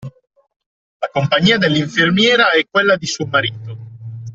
La compagnia dell'infermiera e quella di suo marito.